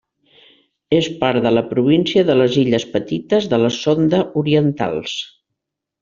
És part de la província de les illes Petites de la Sonda Orientals.